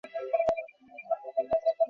তিনি একটি বিদ্রোহ দমন করতে সফল হন।